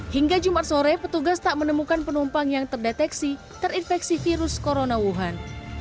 hingga jumat sore petugas tak menemukan penumpang yang terdeteksi terinfeksi virus corona wuhan